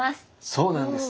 そうなんです！